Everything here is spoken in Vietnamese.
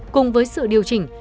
cùng với sự điều chỉnh